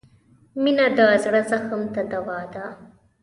• مینه د زړه زخم ته دوا ده.